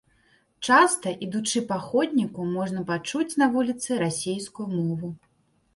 Часта, ідучы па ходніку, можна пачуць на вуліцы расейскую мову.